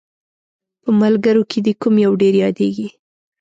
په ملګرو کې دې کوم یو ډېر یادیږي؟